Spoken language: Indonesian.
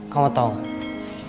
kamu tau gak